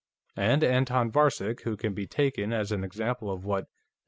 And Anton Varcek, who can be taken as an example of what S.